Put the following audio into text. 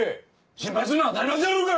心配すんのは当たり前じゃろうが！